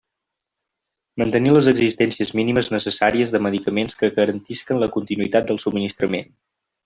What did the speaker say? Mantenir les existències mínimes necessàries de medicaments que garantisquen la continuïtat del subministrament.